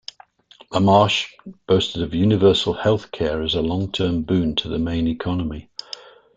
LaMarche boasted of universal health care as a long-term boon to the Maine economy.